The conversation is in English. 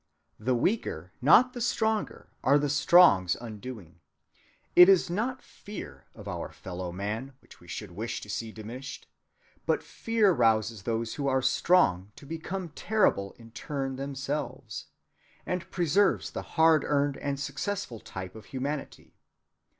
The weaker, not the stronger, are the strong's undoing. It is not fear of our fellow‐man, which we should wish to see diminished; for fear rouses those who are strong to become terrible in turn themselves, and preserves the hard‐earned and successful type of humanity.